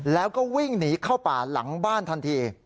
แล้วก็วิ่งหนีเข้าป่าหลังบ้านทันที